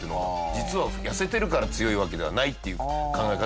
実は痩せてるから強いわけではないっていう考え方